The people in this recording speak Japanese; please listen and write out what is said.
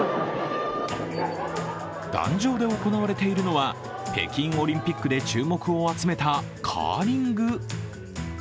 壇上で行われているのは北京オリンピックで注目を集めたカーリング。